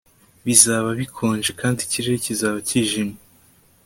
Bizaba bikonje kandi ikirere kizaba cyijimye